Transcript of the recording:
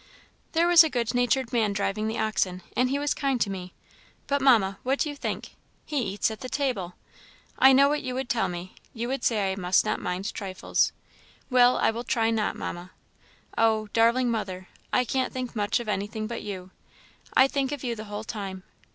There was a good natured man driving the oxen, and he was kind to me; but, Mamma, what do you think? he eats at the table! I know what you would tell me; you would say I must not mind trifles. Well, I will try not, Mamma. Oh! darling mother, I can't think much of anything but you. I think of you the whole time.